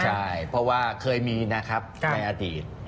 ใช่เพราะว่าเคยมีนะครับในอดีต